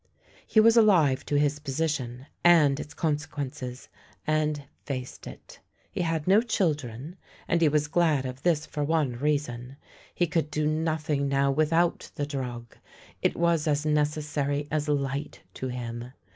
He was alive to his position and its conse quences, and faced it. He had no children, and he was glad of this for one reason. He could do nothing now without the drug ; it was as necessary as light to him.